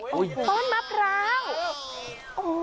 ต้นมะพร้าว